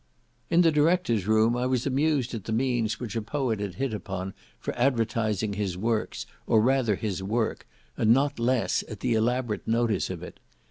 In the director's room I was amused at the means which a poet had hit upon for advertising his works, or rather HIS WORK, and not less at the elaborate notice of it.